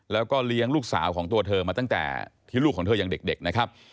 แล้วก็เลี้ยงลูกสาวของตัวเธอมาตั้งแต่ที่ลูกของเธอยังเด็กนะครับ